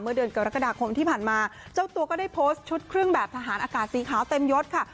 เดือนกรกฎาคมที่ผ่านมาเจ้าตัวก็ได้โพสต์ชุดเครื่องแบบทหารอากาศสีขาวเต็มยศค่ะ